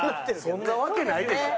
そんなわけないでしょ！